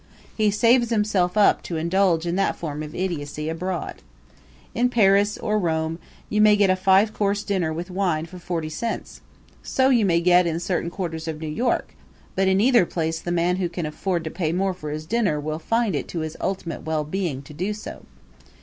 He saves himself up to indulge in that form of idiocy abroad. In Paris or Rome you may get a five course dinner with wine for forty cents; so you may in certain quarters of New York; but in either place the man who can afford to pay more for his dinner will find it to his ultimate well being to do so.